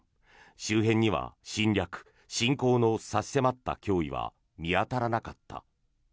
周辺には侵略、侵攻の差し迫った脅威は見当たらなかった。